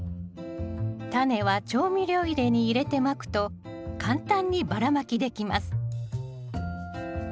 タネは調味料入れに入れてまくと簡単にばらまきできます